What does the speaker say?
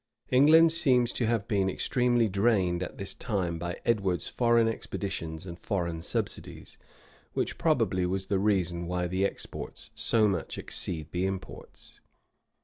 England seems to have been extremely drained at this time by Edward's foreign expeditions and foreign subsidies, which probably was the reason why the exports so much exceed the imports.